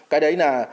cái đấy là